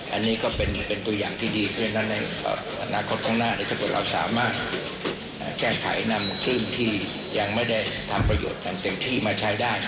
อันนี้ก็เป็นตัวอย่างที่ดีเพราะฉะนั้นในอนาคตข้างหน้าถ้าเกิดเราสามารถแก้ไขนำคลื่นที่ยังไม่ได้ทำประโยชน์อย่างเต็มที่มาใช้ได้